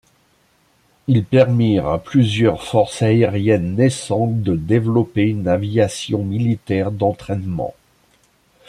Ils permirent à plusieurs forces aériennes naissantes de développer une aviation militaire d'entraînement.